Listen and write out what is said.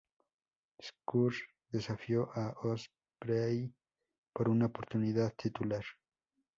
Scurll desafió a Ospreay por una oportunidad titular.